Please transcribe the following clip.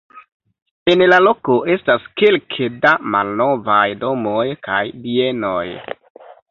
En la loko estas kelke da malnovaj domoj kaj bienoj.